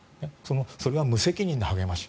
それは無責任の励まし。